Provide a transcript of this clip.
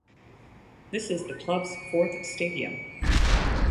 This is the club's fourth stadium.